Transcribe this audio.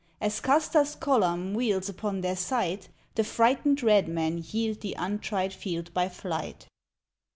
As Custer's column wheels upon their sight The frightened red men yield the untried field by flight.